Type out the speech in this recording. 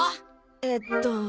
えっと。